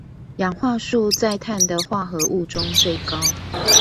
氧化數在碳的化合物中最高